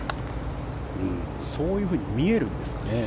そういうふうに見えるんですかね。